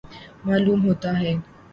معلوم ہوتا ہے